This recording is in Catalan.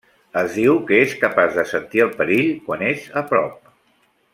Es diu que és capaç de sentir el perill quan és a prop.